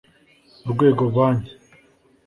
Urwego Bank